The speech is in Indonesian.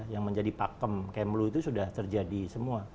yang menjadi pakem kemlu itu sudah terjadi semua